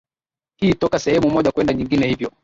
hii toka sehemu moja kwenda nyingine Hivyo